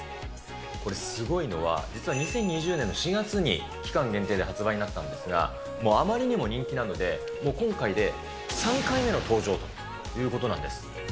これ、すごいのは、実は２０２０年の４月に期間限定で発売になったんですが、もうあまりにも人気なので、もう今回で３回目の登場ということなんです。